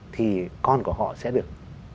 thì con của họ sẽ được